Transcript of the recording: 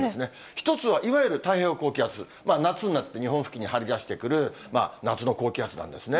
１つはいわゆる太平洋高気圧、夏になって日本付近に張り出してくる、夏の高気圧なんですね。